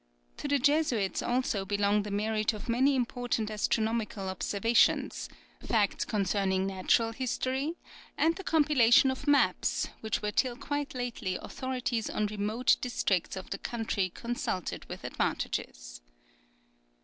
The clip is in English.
To the Jesuits also belong the merit of many important astronomical observations, facts concerning natural history, and the compilation of maps, which were till quite lately authorities on remote districts of the country consulted with advantages.